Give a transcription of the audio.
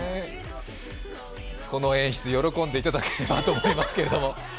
この演出、喜んでいただければと思いますけれども。